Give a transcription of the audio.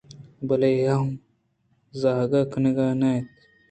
بلے یکّے ہم زُگ کنگ ءَ نہ اَت